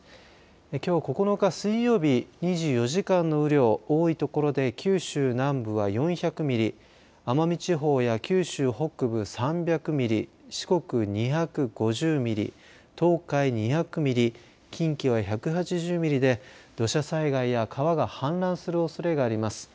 きょう９日水曜日２４時間の雨量、多いところで九州南部は４００ミリ、奄美地方や九州北部３００ミリ、四国２５０ミリ、東海２００ミリ、近畿は１８０ミリで土砂災害や川が氾濫するおそれがあります。